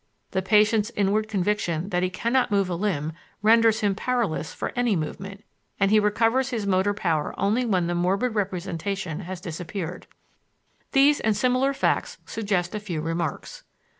The patient's inward conviction that he cannot move a limb renders him powerless for any movement, and he recovers his motor power only when the morbid representation has disappeared. These and similar facts suggest a few remarks.